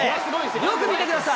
よく見てください。